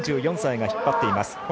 ３４歳が引っ張っています。